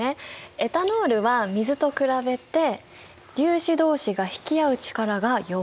エタノールは水と比べて粒子どうしが引き合う力が弱いんだ。